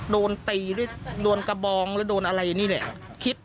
โดนตีหรือโดนกระบองหรือโดนอะไรนี่แหละคิด